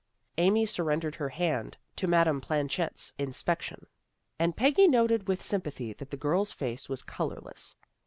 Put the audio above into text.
Amy surrendered her hand to Madame Planchet's inspection, and Peggy noted with sympathy that the girl's face was colorless.